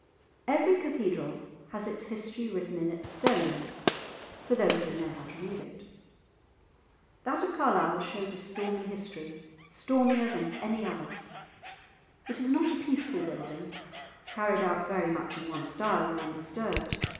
Every cathedral has its history written in its stones, for those who know how to read it. That of Carlisle shows a stormy history, stormier than any other. It is not a peaceful building carried out very much in one style and undisturbed.